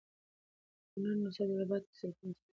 په کونړ، نورستان او جلال اباد کي سلفي مسلکه خلک ډير دي